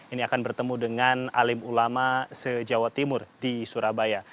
ini akan bertemu dengan alim ulama se jawa timur di surabaya